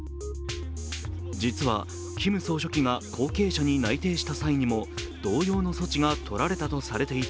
実は、キム総書記が後継者に内定した際にも同様の措置がとられたとされていて